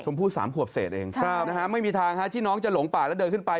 ผู้๓ขวบเศษเองไม่มีทางที่น้องจะหลงป่าแล้วเดินขึ้นไป